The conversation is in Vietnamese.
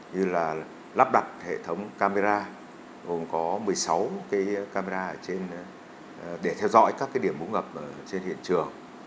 như là lắp đặt hệ thống camera gồm có một mươi sáu camera để theo dõi các điểm bỗng ngập trên hiện trường